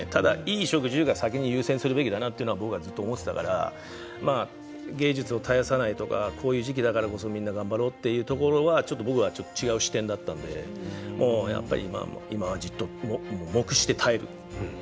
衣食住が優先されるというのをずっと思っていたから芸術を絶やさないとかこういう時期だからこそみんな頑張ろうというところは僕は違う視点だったので今はじっと黙して耐える。